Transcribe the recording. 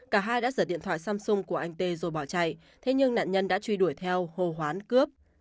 cả hai đã giật điện thoại samsung của anh tê rồi bỏ chạy thế nhưng nạn nhân đã truy đuổi theo hồ hoán cướp